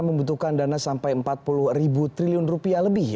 membutuhkan dana sampai empat puluh ribu triliun rupiah lebih